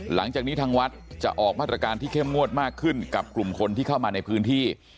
หลังจากนี้ทางวัดจะออกมาตรการที่เข้มงวดมากขึ้นกับกลุ่มคนที่เข้ามาในพื้นที่